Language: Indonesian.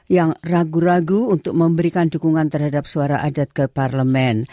yang ragu ragu untuk memberikan dukungan terhadap suara adat ke parlemen